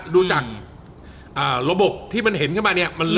ระบบเห็นลิ้นรอกลี่มีร์